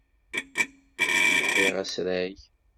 Lḥiɣ asrag.